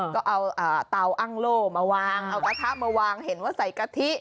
ก็เอาเตาอ้างโล่มาวางเอากระทะมาวางเห็นว่าใส่กะทิ